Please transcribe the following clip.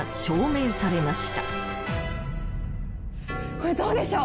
これどうでしょう。